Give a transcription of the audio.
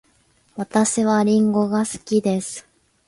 私はりんごが好きです。